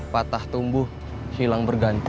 patah tumbuh hilang berganti